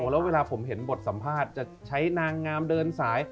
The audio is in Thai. แล้วเวลาผมเห็นบทสัมภาษณ์จะใช้นางงามเดินสาย